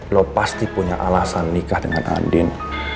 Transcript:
lo pasti punya alasan nikah dengan andin